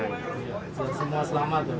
biar semua selamat